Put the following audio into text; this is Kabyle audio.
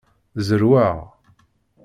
Zerweɣ.